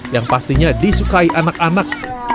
yang pastinya disukai anak anak